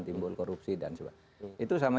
timbul korupsi dan sebagainya itu sama